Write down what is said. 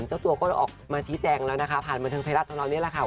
เจ้าตัวก็ออกมาชี้แจงแล้วนะคะผ่านบันเทิงไทยรัฐตอนนี้แหละค่ะ